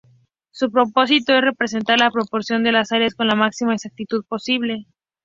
Su propósito es representar la proporción de las áreas con la máxima exactitud posible.